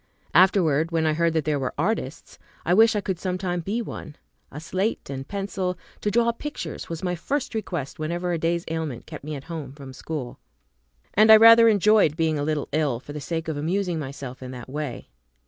Afterward, when I heard that there were artists, I wished I could some time be one. A slate and pencil, to draw pictures, was my first request whenever a day's ailment kept me at home from school; and I rather enjoyed being a little ill, for the sake of amusing myself in that way.